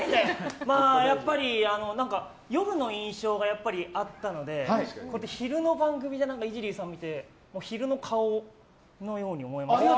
やっぱり夜の印象があったので昼の番組でイジリーさんを見て昼の顔のように思えました。